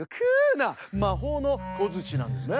なまほうのこづちなんですね。